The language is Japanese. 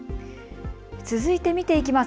続いて見ていきます